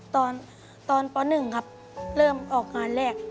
ตอนป๑ครับเริ่มออกงานแรก